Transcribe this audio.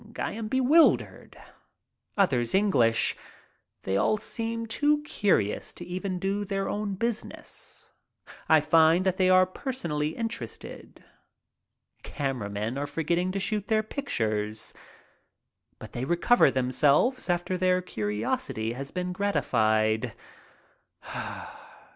I am bewildered. Others English. They all seem too curious to even do their own business. I find that they are personally interested. Camera men are forgetting to shoot their pictures. But they recover themselves after their curiosity has been gratified.